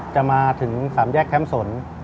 จะมาถึงศามแยกแคมสล